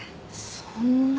そんな。